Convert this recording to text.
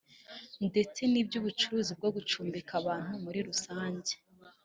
ndetse n’iby’ubucuruzi bwo gucumbikira abantu muri rusange